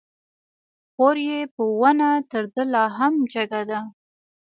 خور يې په ونه تر ده لا هم جګه ده